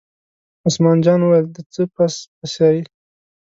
عثمان جان وویل: د څه پس پسي.